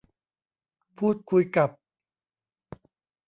พูดคุยกับ